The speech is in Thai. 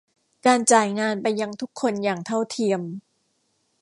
การจ่ายงานไปยังทุกคนอย่างเท่าเทียม